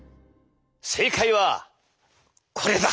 正解はこれだ！